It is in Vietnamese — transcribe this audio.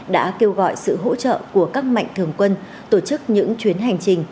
đã kêu gọi sự hỗ trợ của các mạnh thường quân tổ chức những chuyến hành trình